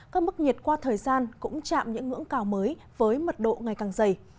các mức nhiệt qua thời gian cũng chạm những ngưỡng cao mới với mật độ ngày càng dày